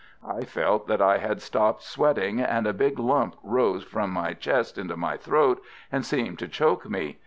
I felt that I had stopped sweating, and a big lump rose from my chest into my throat, and seemed to choke me.